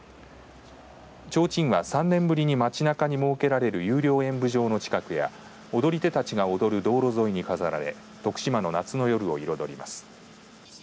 ちょうちんは３年ぶりに街なかに設けられる有料演舞場の近くや踊り手たちが踊る道路沿いに飾られ徳島の夏の夜を彩ります。